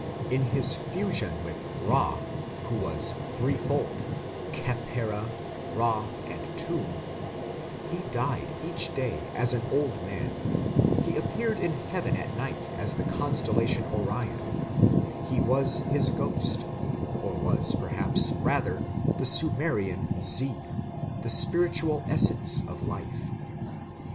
In his fusion with Ra, who was threefold Khepera, Ra, and Tum he died each day as an old man; he appeared in heaven at night as the constellation Orion, which was his ghost, or was, perhaps, rather the Sumerian Zi, the spiritual essence of life.